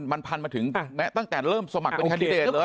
มันพันมาถึงตั้งแต่เริ่มสมัครเป็นแคนดิเดตเลย